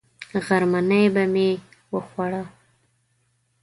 غرمنۍ به مې وخوړه.